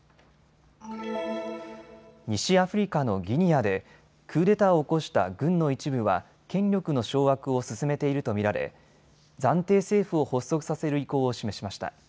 西アフリカのギニアでクーデターを起こした軍の一部は権力の掌握を進めていると見られ暫定政府を発足させる意向を示しました。